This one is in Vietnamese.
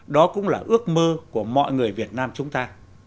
đó cũng là ước mơ của mọi người việt nam chúng ta